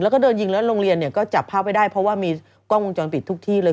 แล้วก็โดนยิงแล้วโรงเรียนเนี่ยก็จับภาพไว้ได้เพราะว่ามีกล้องวงจรปิดทุกที่เลย